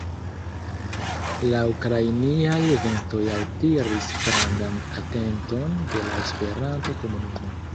La ukrainiaj eventoj altiris grandan atenton de la Esperanto-komunumo.